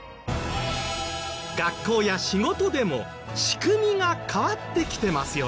学校や仕事でも仕組みが変わってきてますよね。